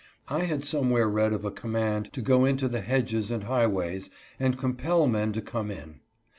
I had somewhere read of a com mand to go into the hedges and highways and compel men to come in.